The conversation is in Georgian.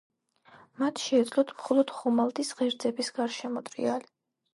მათ შეეძლოთ მხოლოდ ხომალდის ღერძების გარშემო ტრიალი.